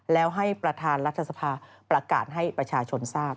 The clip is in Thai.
แล้วให้ประธานรัฐสภาประกาศให้ประชาชนทราบ